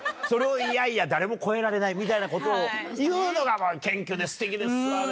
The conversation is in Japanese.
それを、いやいや、誰も超えられない、みたいなことを言うのが、謙虚ですてきですよ